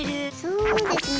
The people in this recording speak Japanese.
そうですね。